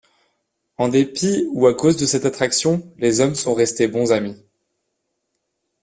En dépit ou à cause de cette attraction, les hommes sont restés bons amis.